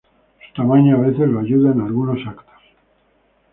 Su tamaño a veces lo ayuda en algunos eventos.